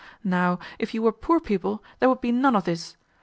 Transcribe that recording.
Now, if you were poor people, there would be none of this.